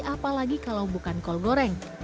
apalagi kalau bukan kol goreng